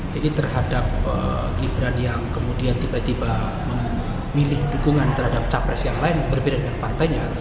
jadi terhadap gibran yang kemudian tiba tiba memilih dukungan terhadap capres yang lain yang berbeda dengan partainya